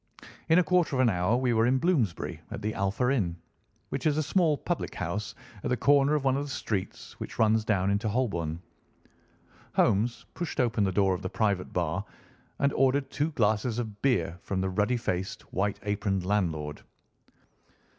In a quarter of an hour we were in Bloomsbury at the Alpha Inn, which is a small public house at the corner of one of the streets which runs down into Holborn. Holmes pushed open the door of the private bar and ordered two glasses of beer from the ruddy faced, white aproned landlord.